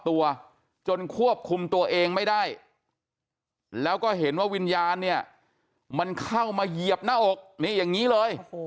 ตัวจนควบคุมตัวเองไม่ได้แล้วก็เห็นว่าวิญญาณเนี่ยมันเข้ามาเหยียบหน้าอกนี่อย่างนี้เลย